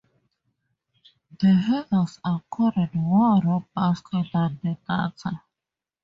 The headers are coded more robustly than the data.